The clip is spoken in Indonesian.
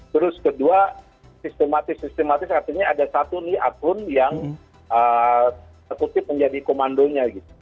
terus kedua sistematis sistematis artinya ada satu nih akun yang terkutip menjadi komandonya gitu